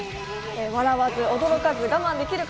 笑わず、驚かず、我慢できるか。